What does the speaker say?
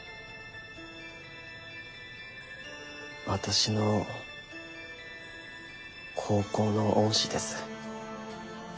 私の高校の恩師です。